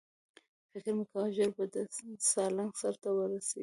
فکر مې کاوه ژر به د سالنګ سر ته ورسېږو.